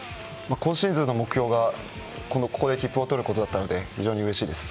今シーズンの目標がここで切符を取ることだったので非常にうれしいです。